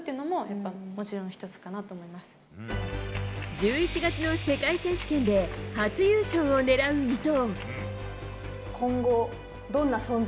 １１月の世界選手権で初優勝を狙う伊藤。